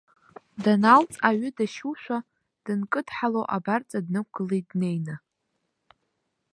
Даналҵ, аҩы дашьушәа дынкыдҳало, абарҵа днықәгылеит днеины.